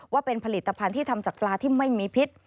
ว่าเป็นผลิตภัณฑ์ที่ทำจากปลาที่ไม่มีพิษ